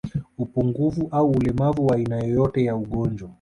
Upungufu au ulemavu wa aina yoyote ya ugonjwa